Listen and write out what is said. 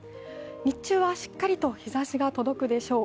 日中はしっかりと日ざしが届くでしょう。